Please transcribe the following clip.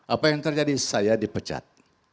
apa yang terjadi saya dipecat